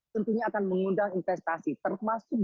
tentunya akan mengundang investasi termasuk